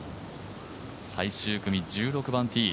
最終組１６番ティー